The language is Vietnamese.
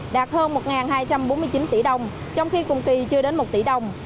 đạt hơn một hai trăm bốn mươi chín tỷ đồng trong khi cùng kỳ chưa đến một tỷ đồng